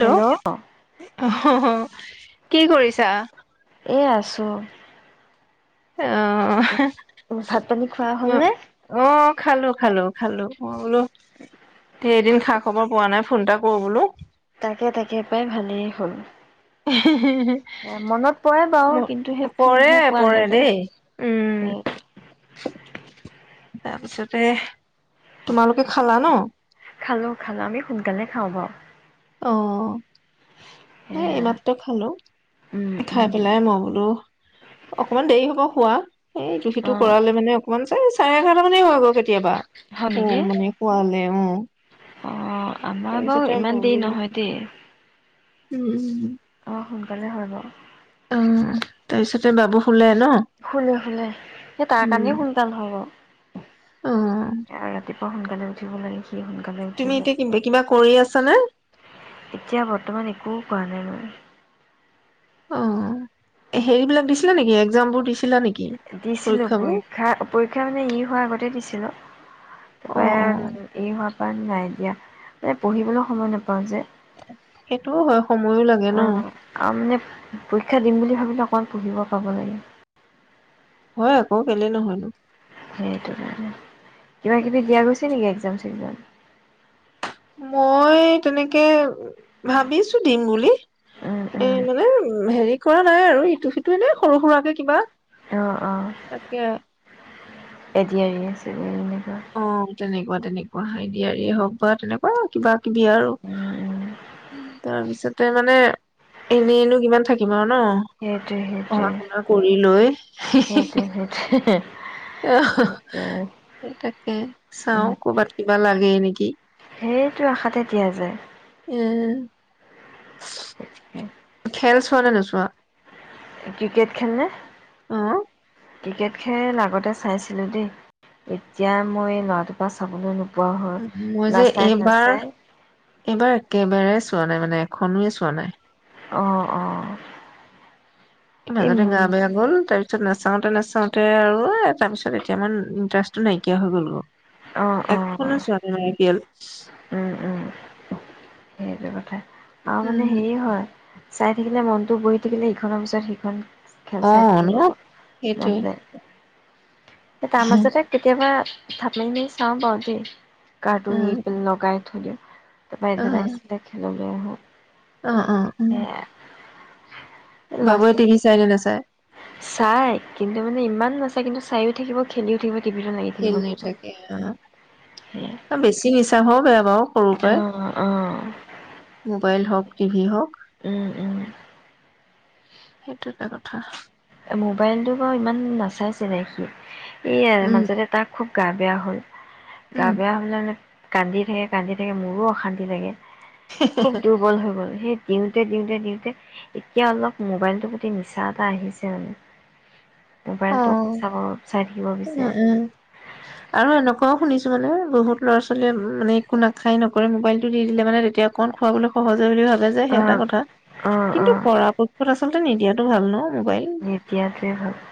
Hello অহহঅ কি কৰিছা এ আছোঁ ভাত পানী খোৱা অ হ'লনে অ খালো খালো খালো মই বোলো এইকেইদিন খা খবৰ পোৱা নাই ফোন এটা কৰো বোলো তাকে তাকে পাই ভালেই হ'ল উহ উহহ মনত পৰে বাৰু উম কিন্তু সেই পৰে ফোনহে পোৱা পৰে নাযায় দেই উম [unintelligible] তাৰপিছতে তোমালোকে খালা ন খালো খালো আমি সোনকালে খাওঁ বাৰু অ এই এয়া এইমাত্ৰ খালো উম খাই উম পেলাই মই বোলো অকণমান দেৰি হ'ব খোৱা সেই ইটো অ সিটো কৰালে মানে অকমান চাৰে চাৰে এঘাৰটা মানে হৈ গৈ কেতিয়াবা হয় অ নেকি মানে খোৱালে উম অ আমাৰ বাৰু ইমান দেৰি নহয় দেই উম উম অহ সোনকালে হয় বাৰু উম তাৰ পিছতে বাবু শুলে ন শুলে শুলে হে তাৰ উম কাৰণেই সোনকাল হ'ব বাৰু অ [unintelligible] পুৱা সোনকালে উঠিব লাগে। সোনকালে উঠো তুমি যে, এতিয়া কিবা কিবা কৰি আছানে এতিয়া বৰ্তমান একো কৰা নাই মই। অঁ, হেৰিবিলাক দিছিলা নেকি এক্জাম বোৰ দিছিলা নি। দিছিলোঁ পৰীক্ষা-পৰীক্ষা মানে ই হোৱাৰ আগতে দিছিলোঁ অ তাৰপৰা অ ই হোৱা নাই দিয়া, মানে পঢ়িবলৈ সময় নাপাওঁ যে। সেইটোও হয়। সময়ো লাগে ন অঁ, আমি পৰীক্ষা দিম বুলি ভাবিলে অকণমান পঢ়িব পাব লাগে। হয় আকৌ কেলে নহয়নো। সেইটোকাৰণে। কিবা কিবি দিয়া গৈছে নেকি একজাম [unintelligible] মই তেনেকে ভাবিছো দিম বুলি। উম এ উম মানে উম হেৰি কৰা নাই আৰু ইটো সিটো এনে সৰু সুৰাকে কিবা অঁ অঁ। তাকে এ ডি আৰ ই [unintelligible] অঁ তেনেকুৱা তেনেকুৱা, এ দি আৰ ইয়ে হওঁক বা তেনেকুৱা কিবা কিবি আৰু উম উম তাৰপিছতে মানে এনেইনো কিমান থাকিম আৰু। ন সেইটোৱে সেইটোৱে পঢ়া শুনা কৰি লৈ সেইটোৱে সেইটোৱে [unintelligible] অঁ, সেইটোৱে। সেই তাকে উম চাওঁ কৰ'বাত কিবা লাগে [unintelligible] নেকি। সেইটো আশাতে দিয়া যায়। উম। [unintelligible] খেল চোৱা নে নোচোৱা। ক্ৰিকেট খেলনে। অঁ। ক্ৰিকেট খেল আগতে চাইছিলো দেই, এতিয়া মই ল'ৰাটোৰ পৰা চাবলৈ নো মই যে এইবাৰ-এইবাৰ একেবাৰে চ চোৱা নাই মানে এখনোয়ে চোৱা নাই। অঁ অঁ। এই মাজতে গা বেয়া হ'ল তাৰ তাৰপিছত নাচাওঁতে নাচাওঁতে আৰু এ তাৰ পিছত এতিয়া মোৰ ইণ্টাৰেষ্টটো নাইকিয়া হৈ গ'লগৈ। অ', এখনো অ', চোৱাগে নাই এতিয়ালৈ উম উম। সেইটো কথা। অআহ মানে উম হেৰি হয় চাই থাকিলে মনতটো বহি থাকিলে ইখনৰ পিছত সিখন খেল অ চাই ন থাকিব মন সেইটোৱে যায় তাৰ মাজতে কেতিয়াবা থাপিনে চাও বাওঁ দেই কাৰ্টুন এই উম পিনে লগাই থৈ দিয়া তহ এডভাইডেচ খেলো অহ অহ অহ উম ল'ৰা বাবুৱে ছোৱালীক টিভি চাইনে নাচাই? চাই কিন্তু মানে ইমান নাচায় কিন্তু চাইও থাকিব খেলি থাকিব টিভিটো লাগি থাকিব খেলি লাগিব। থাকে অহ সেয়াই বেছি নিছা হোৱাও বেয়া অহ সৰু অ', পৰাই, অ', মোবাইল হওক টিভি হওক উম, উম। সেইটো এটা কথা মোবাইলটো বাৰু ইমান নাচাইছিলে সি এয়াই উম মাজতে তাক খুব গা বেয়া হ'ল গা উম বেয়া হ'লে কান্দি থাকে কান্দি থাকে মোৰো অশান্তি লাগে খুব দুৰ্বল হৈ গ'ল সেই দিওঁতে দিওঁতে দিওঁতে এতিয়া অলপ মোবাইলটোৰ প্ৰতি নিছা এটা আহিছে। উম অহ, উম বিচাৰে। উম আৰু এনেকুৱাও শুনিছো মানে বহুত ল'ৰা ছোৱালীয়ে মানে একো নাখাই নকৰে মোবাইলটো দি দিলে মানে তেতিয়া অকণ খুৱাবলৈ সহজ হয় আৰু যে সেইটো এটা অ', কথা অ', কিন্তু পৰাপক্ষত আচলতে আচলতে নিদিয়াতো ভাল ন মোবাইল নিদিয়েটো ভাল-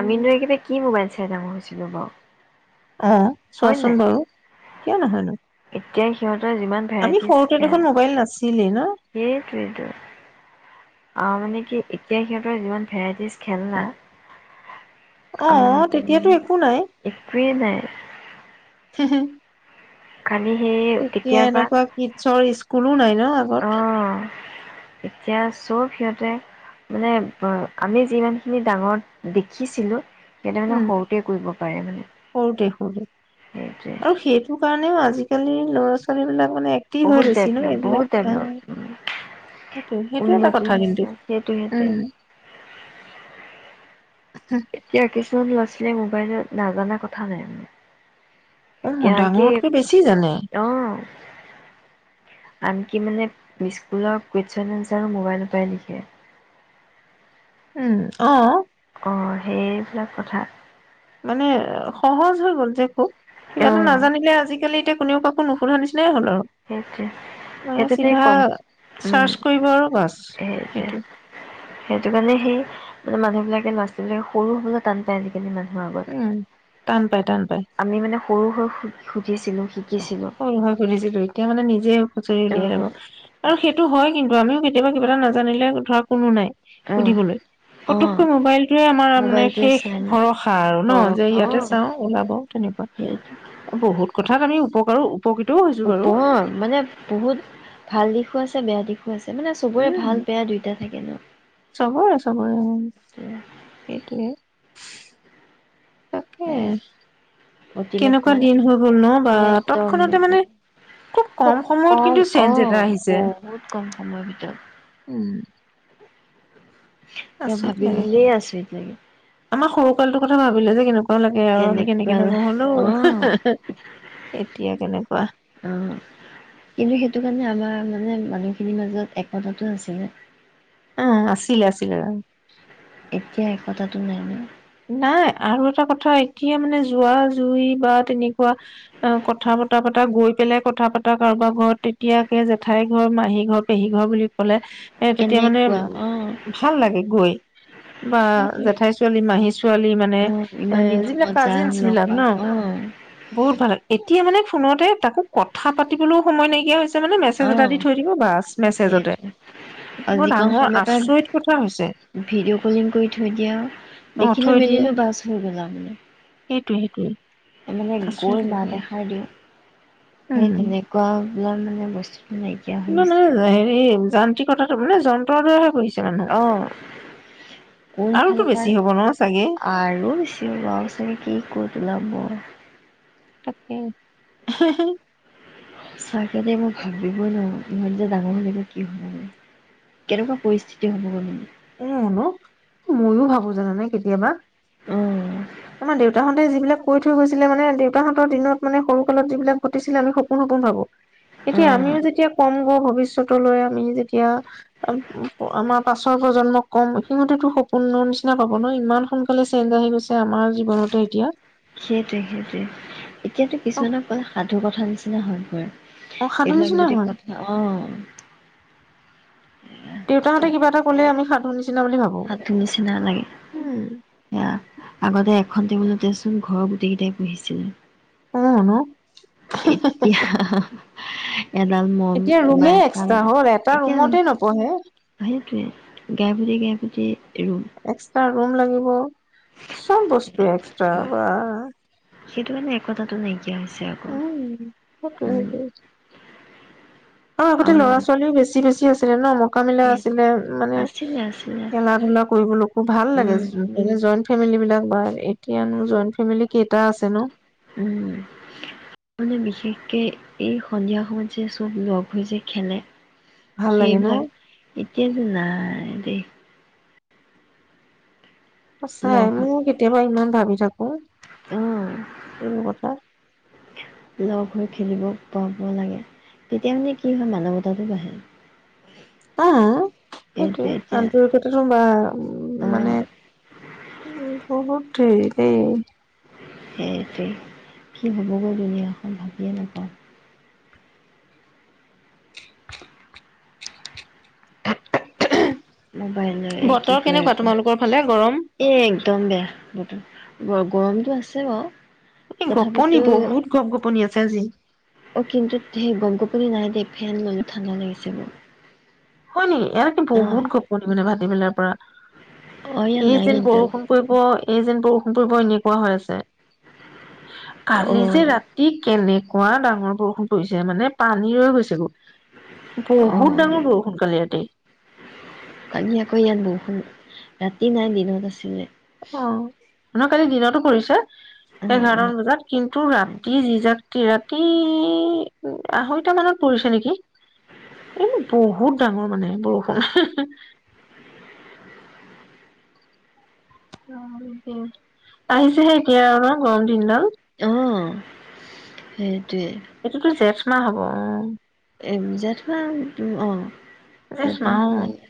আমি নো এইকেইটা কি মোবাইল চাই ডাঙৰ হৈছিলোঁ বাৰু অহ হয় চোৱাচোন নাই বাৰু, কিয় নহয়নো। এতিয়া সিহঁতৰ যিমান আমি সৰুতে দেখুন মোবাইল নাচো [unintelligible] সেইটোৱেই মানে কি এতিয়া সিহঁতৰ যিমান ভেৰাইটিজ খেল না অ উম তেতিয়াতো একো নাই একোৱেই নাই হুম, হুম খালি সেই এতিয়া কেতিয়াবা এনেকুৱা কিছৰ স্কুলো নাই ন অ আগত এতিয়া চব সিহঁতে মানে আমি যিমানখিনি ডাঙৰ দেখিছিলো উম সৰু তে সৰুতে সেইটোৱে আৰু সেইটো কাৰণেও আজি আজিকালি ল'ৰা ছোৱালী বিলাক মানে একটি হৈ বহুত গেছি ন ডেভলপ বহুত এইবিলাক আহ ডেভলপ সেইটো সেইটো এটা উন্নতি কথা হৈছে কিন্তু সেইটো সেইটোৱে উম এতিয়া কি যিবোৰ ল'ৰা ছোৱালীয়ে মোবাইলত নাজানা কথা নাই মে উ ডাঙৰতকৈ বেছি জানে অ আনকি মানে স্কুলৰ কুৱেশন আনচাৰো মোবাইলৰ পৰাই লিখে উম অ অ সেইবিলাক কথা মানে সহজ হৈ গ'ল যে খুব কিবা এটা অ' নাজানিলে আজিকালি এতিয়া কোনেও কাকো নোহোদা সেই তোয়ে হল আৰু সেইটোৱে সেইটোতে চিধা কম উম, চাৰ্চ কৰিব আৰু বাছ সেইটোৱে সেইটো সেইটো কাৰণে সেই মানে মানুহবিলাকে লৰাোৱালী সৰু সৰু টান পায় আজি মানুহৰ আগত উম টান পাই টান পাই আমি মানে সৰু সৰু সুধিছিলোঁ কি উম হয় হয় শুনিছিলো তেওঁ মানে নিজে হুঁচৰি উলিয়াই অ' লব আৰু সেইটো হয় কিন্তু আমিও কেতিয়াবা কিবা এটা নাজানিলে শুধৰা কোনো নাই অ' সুধিবলৈ অ' ফতুককৈ মোবাইলটোৱে আমাৰ মানে মোবাইলটোৱে শেষ চাই ন ভৰসা আৰু ন যে ভৰসা ইয়াতে অ' চাও ওলাব তেনেকুৱা সেইটো বহুত কথাত জানিও অউ ওপৰ মানে বহুত ভাল দিশো আছে মই যে বেয়া দিখো ছে মানে চবৰে উম ভাল বেয়া দুইতটা থাকে ন চবৰে চবৰে উম সেয়া এইটোৱে তাকেই অতিমাত্ৰা কেনেকুৱা দিন হৈ গ'ল ন বা এ একদম তৎক্ষণতে মানে খুব কম সময়ত কিন্তু চেঞ্জ এটা আহিছে বহুত কম সময়ৰ ভিতৰত উম এ মই আচৰিত লাগে ভাবিমবোলিই আছো আমাৰ সৰু কালটোৰ কথা ভাবিলে কেনেকোয়া তেনেকুৱা আহ এতিয়া কেনেকুৱা অ কিন্তু সেইটো কাৰণে আমাৰ মানে মানে মানুহখিনিৰ মাজত একতাটে আছিলে অ আছিলে আছিলে এতিয়া একতাতটো নাই ন? নাই আৰু এটা কথা এতিয়া মানে জোৱা জুই বা নাই তেনেকুৱা কথা বতা পতা গৈ পেলাই কথা পতা কাৰোবাৰ ঘৰত তেতিয়াকে জেঠাই ঘৰ, মাহী ঘৰ, পেহী ঘৰ, বুলি ক'লে এ তেতিয়া মানে কেনেকুৱা অ ভাল লাগে গৈ বা জেঠাই ছোৱালী, মাহি ছো- ছোৱালী মানে অ এ ইমান দিনৰ যিবিলাক মূৰত যাম কাজিনচ লগ বিলাক ন পাম অ বহুত ভাল এতিয়া মানে ফোনতে তাকো কথা পাতিবলৈও সময় নাইকিয়া হৈছে মানে মেছেজ অ এটা দি থৈ দিব বাছ মেছেজতে সেইটোৱে এইটো আৰু বৰ যিকণ ডাঙৰ সময় তই আচৈত কথা হৈছে দেখিলে থৈ দিয়ে মেলিলো বাছ হৈ গল আও মানে সেইটোৱে সেইটোৱে মানে আচৰিত গৈ মাত লাগে এষাৰ দিওঁ সেই তেনেকুৱা এইিলাক মানে বস্তু [unintelligible] কিমানে হেৰি যান্ত্ৰিক কটো মানে যন্ত্ৰৰ দৰেহে পৰিছে [unintelligible] অ আৰুতো কোনফালৰ বেছি পায় হ'ব ন চাগে আৰু বছি লচ কি ক তোল মই [unintelligible] তাকেই চাগে মই ভাবিবই নোৱাৰো ইহত যে ডাঙৰ হৈলেকে কি হ'ব, কেনেকুৱা পৰিস্থিতি হব গ' মানে এ হেনো ময়ো ভাবো জানানে কেতিয়াবা অ'। তোমাৰ দেউতা হত যি বিলাক কৈ থৈ গৈছিলে মানে দেউতাহঁতৰ দিনত মানে সৰু কালত যিবিলাক ঘটিছিলে আমি সপোন সপোন ভাবো এতিয়া অ', আমিও যেতিয়া কম গৈ হল ভৱিষ্যত লৈ আমি যেতিয়া আমাৰ পাছ প্ৰজন্মক কম সিহঁতেতো সপোনৰ নিচিনা পাব ন, ইমান সোনকালে চেঞ্জ আহি গৈছে আমাৰ জীৱনতে এতিয়া সেইটোৱে সেইটোৱে এতিয়াতো কিছুমানক ক'লে সাধু কথা নিচি নহয় অসাধু এইবিলাক নিচিনা যদি হোৱা কথা অ দেউতাহঁতে কিবা এটা কলে আমি সাধু নি- হাতটো নিচিনা লাগে, সেয়া আগতে এখন টেবুলতেচোন ঘৰৰ গোটেইকেইটাই পঢিহিছিলে অ ন হে হে হে হে এতিয়া এডাল মম এতিয়া বা ৰুমেই এডাল এক্সট্ৰা হ'ল এটা এতিয়া ৰুমতে নপঢ়ে সেইটোৱে গাই পুতি গাই পুতি তেওঁ এক্সট্ৰা ৰুম লাগিব। চব বস্তু এক্সট্ৰা বা। তাতে তুমি। উম সেইটোৱে। অ আগতে আমাৰ ল'ৰা ছোৱালীও বেছি বেছি। আছিলে ন ম। থকা মিলা আছিলে মানে আছিলে আছিলে খেলা ধূলা কৰিবলৈকো ভাল লাগে উম মানে জ। ফেমিল বিলাক বা এতিয়ানো জইন ফেমিলি কেইটা আছে ন উম মানে বিশেষকে এই সন্ধিয়া সময়ত যে চব লগ হৈ য খেলে। ভাল লাগে ন সেইবিলাক এতিয়াতো নাই। হে সঁচাই মোৰ কেতিয়াবা ইমান ভাবি ৰখ অহ কথা। লক খেলিব পাব লাগে তেতিয়া মানে কি হয় মানৱতাটো বাঢ়ে। অহ সেইটো এইটো এতিয়া আন্তৰিকত হো বা উ অ মানে। বহুত দেৰি দেই। সেইটোৱে কি হ'বগৈ দুুনীয়াখন ভাবিয়ে নাপাওঁ। মোবাইল ন এই কি বতৰ কেনেকুৱা কৰিব তোমালোকৰ ফালে গৰম এ একদম বেয়া। গৰমতটো আছে বাৰু। এই গোপনি তথাপিতো বহুত গপ গপনি আছে আছে আজি। অ কিন্তু সেই গমগোপনি নাই দে ফেন ললো ঠাণ্ডা লাগিছে ব। হয় নেকি কিন্তু বহুত গপনি মানে ভাত। দীঘলা পৰা। অ ইয়াত এই নাই যেন কিন্তু বৰষুণ পৰিব। এই যেন বৰষুণ পুৰ্ব এনেকুৱা হৈ আছে অ কালি যে ৰাতি কেনেক। কুৱ ডাঙৰ বৰষুণ পৰিছে মানে পানী ৰৈ গৈছে গৈ। অ বহুত ডাঙৰ বৰষুণ কালি‌ ৰাতি। কালি আকৌ ইয়াত বৰষুণ ৰাতি নাই দিনত আছিলে। অ নহয় কালি দিনতো পৰিছে অ অ এঘাৰমান বজাত কিন্তু ৰাতি যি যাক কি ৰাতি আঢ়ৈটা মানত পৰিছে নেকি এই বহুত ডাঙৰ মানে বৰষুণ আহিছেহে এতিয়া আৰু গৰম দিনডাল হয় এইটোতো জেঠ মাহ হব উম এ জেঠ মাহ অ জেঠ জেঠমা মাহ অ সোমালে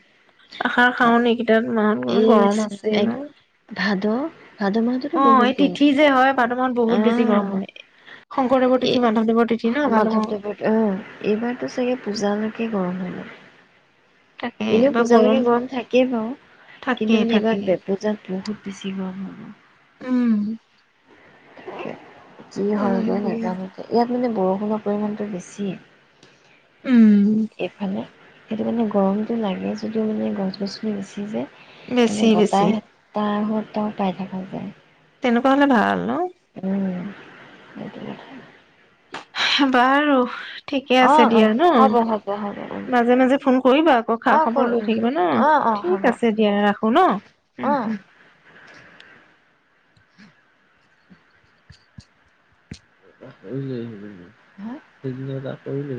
আহাৰ তাত শাওণ নেকি এইকেইটাত মাহত এই গৰম আছে ন এক ভাদ ভাদ মাহততো অ বহুত এই গৰম তিথি যে হয় ভাদ বহুত বেছি গৰম আহ হয় শংকৰদেৱৰ এ তিথি মাধৱদেৱৰ তিথি ন ভাদৰ মাহত মাধৱদেৱত কি কৰোঁ মানে তাকে এনেও এইবাৰ পূজালৈকে গৰম থাকেই বাৰু কিন্তু থাকেই মানে থাকেই এইবাৰ পূজাত বহুত বেছি গৰম হ'ব উম [unintelligible] যি হয় গৈ নাজানোতে ইয়াত মানে বৰষুণৰ পৰিমাণটো বেছি উম এইফালে সেইটো কাৰণে গৰমটো লাগে যদিও মানে গছ গছনি বেছি যে বেছি মানে বেছি বতাহ তাহেত তও পাই থকা কে তেনেকুৱা হলে ভাল হেল্ল' হেটো [unintelligible] বাৰু ঠিকে অ আছে অ দিয়া ন হ'ব হ'ব হ'ব উম মাজে মাজে ফোন কৰিবা আকৌ খা অ', খবৰ লৈ কৰিম থাকিবা ন অ', অ', হ'ব ঠিক আছে দিয়া ৰাখো অ'। ন [unintelligible] কৰিলে সেইদি এটা কৰিলে